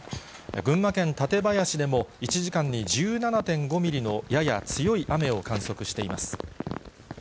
群馬県館林でも１時間に１７．５ミリのやや強い雨を観測しています。